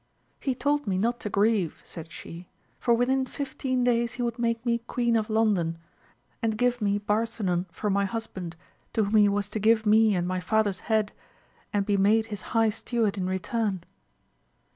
He told me not to grieve, said she, for within fifteen days he would make me Queen of London, and give me Barsinan for my husband, to whom he was to give me and my father's head, and be made his high steward in return.